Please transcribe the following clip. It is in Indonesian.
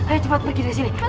ayo cepat pergi ke sini